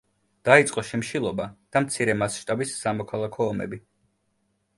დაიწყო შიმშილობა და მცირე მასშტაბის სამოქალაქო ომები.